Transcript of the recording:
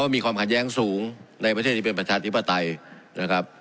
ว่ามีความขนแย้งสูงในประเทศที่เป็นประชาติภาวิตรไปร์ไต้